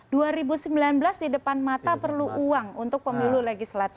dua ribu sembilan belas di depan mata perlu uang untuk pemilu legislatif